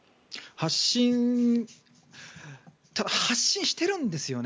発信発信しているんですよね